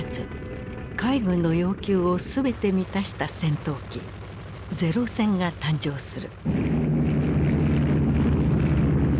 海軍の要求を全て満たした戦闘機零戦が誕生する。